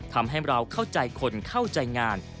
ทำให้เราเข้าใจคนเข้าใจงาน